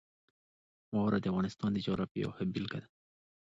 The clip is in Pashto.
واوره د افغانستان د جغرافیې یوه ښه بېلګه ده.